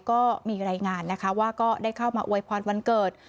ก็มีรายงานนะคะว่าก็ได้เข้ามาอวยพรวันเกิด